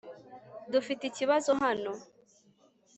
dufite ikibazo hano